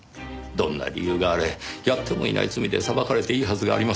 どんな理由があれやってもいない罪で裁かれていいはずがありません。